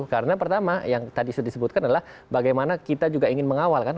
karena pertama yang tadi sudah disebutkan adalah bagaimana kita juga ingin mengawal kan